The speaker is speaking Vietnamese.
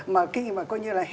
mà khi mà coi như là